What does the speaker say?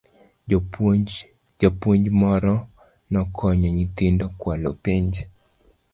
Japuonj moro nokonyo nyithindo kwalo penj